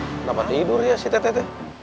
kenapa tidur ya si teteh